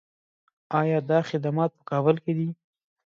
آیا دا خدمات په کابل کې دي؟